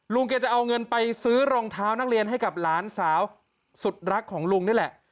แกจะเอาเงินไปซื้อรองเท้านักเรียนให้กับหลานสาวสุดรักของลุงนี่แหละ